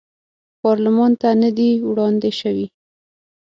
پارلمان ته نه دي وړاندې شوي.